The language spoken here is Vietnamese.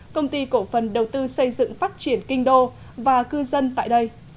công ty cổ phần đầu tư xây dựng phát triển kinh đô và cư dân tại đây